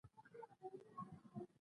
شريف هغه په لابراتوار کې منډلې وه.